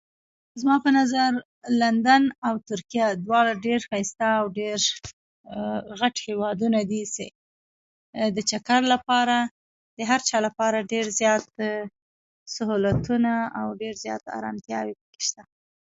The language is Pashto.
زما په نظر لندن او ترکيه دواړه ډير ښايسته او ډير غټ هيوادونه دي دچکر لپاره د هر چا لپاره ډير زيات سهولتونه او ډير زيات ارمتياوي په کي .شته